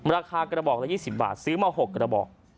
ราคากระบอกละ๒๐บาทซื้อมา๖กระบอก